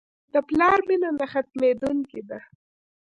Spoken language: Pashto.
د پلار مینه نه ختمېدونکې ده.